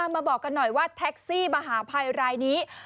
มาบอกกันหน่อยว่าแท็กซี่มหาภัยรายนี้